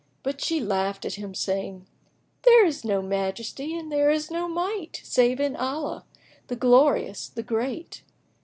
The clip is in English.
But she laughed at him, saying, "There is no Majesty and there is no Might save in Allah, the Glorious, the Great!"